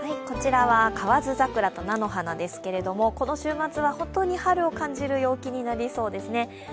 こちらは河津桜と菜の花ですけれどもこの週末は本当に春を感じる陽気になりそうですね。